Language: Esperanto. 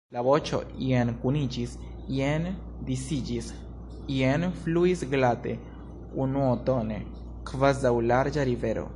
La voĉo jen kuniĝis, jen disiĝis, jen fluis glate, unutone, kvazaŭ larĝa rivero.